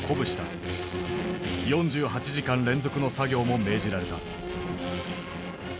４８時間連続の作業も命じられた。